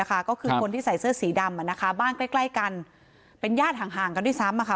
ก็คือคนที่ใส่เสื้อสีดำบ้านใกล้กันเป็นญาติห่างกันด้วยซ้ำ